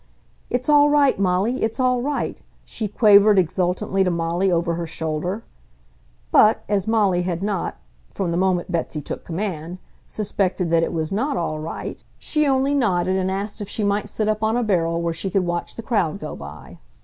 "It's all right, Molly; it's all right!" she quavered exultantly to Molly over her shoulder. But as Molly had not (from the moment Betsy took command) suspected that it was not all right, she only nodded and asked if she might sit up on a barrel where she could watch the crowd go by.